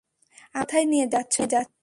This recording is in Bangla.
আমাকে কোথায় নিয়ে যাচ্ছো?